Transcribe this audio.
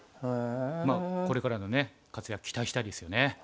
まあこれからのね活躍期待したいですよね。